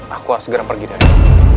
aku harus segera pergi dari sini